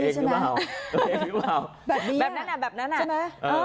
งี้ใช่ไหมโอเคใช่รึเปล่าแบบนี้ใช่ไหม